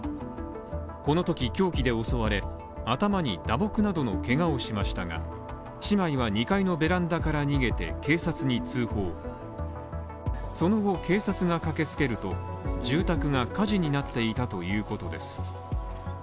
このとき凶器で襲われ、頭に打撲などのけがをしましたが、姉妹は２階のベランダから逃げて警察に通報その後警察が駆けつけると、住宅が火事になっていたということです。